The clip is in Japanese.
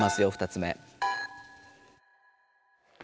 ２つ目。